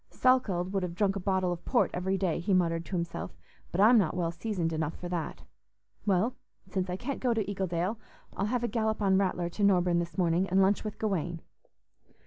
"Salkeld would have drunk a bottle of port every day," he muttered to himself, "but I'm not well seasoned enough for that. Well, since I can't go to Eagledale, I'll have a gallop on Rattler to Norburne this morning, and lunch with Gawaine."